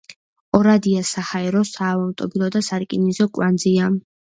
ორადია საჰაერო, საავტომობილო და სარკინიგზო კვანძია.